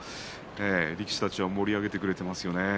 力士たちは盛り上げてくれていますね。